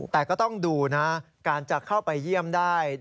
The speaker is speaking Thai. แต่ก็ต้องดูนะการจะเข้าไปเยี่ยมได้